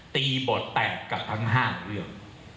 บทแตกกับทั้ง๕เรื่อง